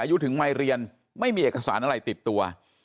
อายุถึงไมค์เรียนไม่มีเอกสารอะไรติดตัว